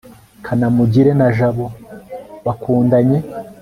kanamugire na jabo bakundanye